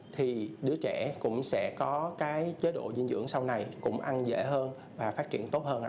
thì đứa trẻ cũng sẽ có cái chế độ dinh dưỡng sau này cũng ăn dễ hơn và phát triển tốt hơn